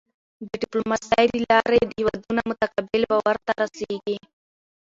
د ډیپلوماسی له لارې هېوادونه متقابل باور ته رسېږي.